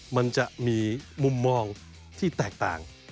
มันจะมีมุมมองที่แตกต่าง